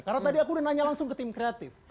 karena tadi aku udah nanya langsung ke tim kreatif